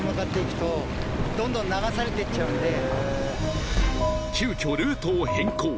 はいへぇ急きょルートを変更